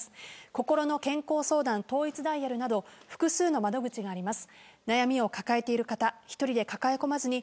こころの健康相談統一ダイヤルなど、複数の窓口があります。